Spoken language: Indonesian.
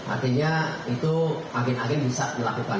artinya itu agen agen bisa melakukan